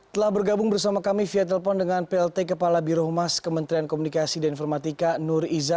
telah bergabung bersama kami via telepon dengan plt kepala birohumas kementerian komunikasi dan informatika nur iza